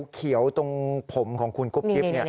เขียวตรงผมของคุณกุ๊บกิ๊บ